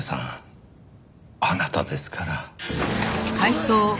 あなたですから。